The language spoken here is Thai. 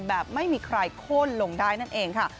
แบบไม่มีใครโค้นลงได้นั่นเองค่ะ